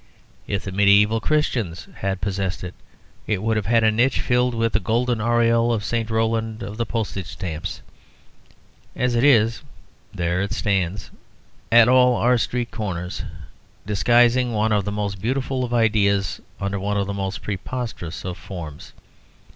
If the mediæval Christians has possessed it, it would have had a niche filled with the golden aureole of St. Rowland of the Postage Stamps. As it is, there it stands at all our street corners, disguising one of the most beautiful of ideas under one of the most preposterous of forms.